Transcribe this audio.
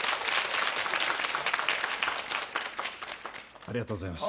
あ、ありがとうございました。